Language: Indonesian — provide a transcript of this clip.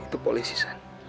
itu polisi san